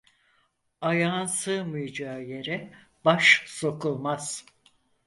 Ayağın sığmayacağı yere baş sokulmaz.